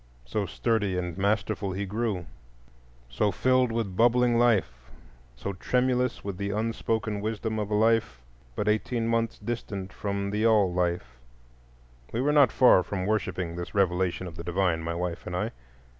So sturdy and masterful he grew, so filled with bubbling life, so tremulous with the unspoken wisdom of a life but eighteen months distant from the All life,—we were not far from worshipping this revelation of the divine, my wife and I.